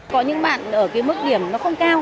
có những bạn ở cái mức điểm nó không cao